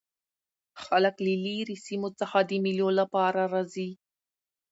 خلک له ليري سیمو څخه د مېلو له پاره راځي.